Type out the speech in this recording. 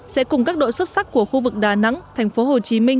sẽ cùng các đội xuất sắc của khu vực đà nẵng tp hcm